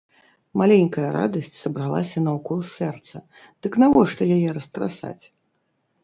Маленькая радасць сабралася наўкол сэрца, дык навошта яе растрасаць?